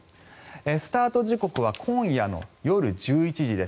スタート時刻は今夜の夜１１時です。